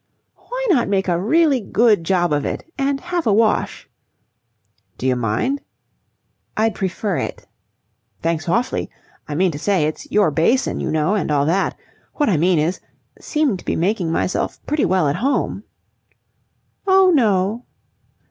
"Why not make a really good job of it and have a wash?" "Do you mind?" "I'd prefer it." "Thanks awfully. I mean to say it's your basin, you know, and all that. What I mean is, seem to be making myself pretty well at home." "Oh, no."